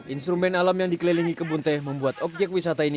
instrumen alam yang dikelilingi kebun teh membuat objek wisata ini